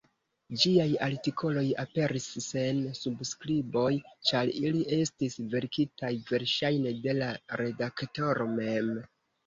Ĝiaj artikoloj aperis sen subskriboj, ĉar ili estis verkitaj verŝajne de la redaktoro mem.